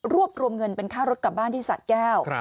รวมเงินเป็นค่ารถกลับบ้านที่สะแก้ว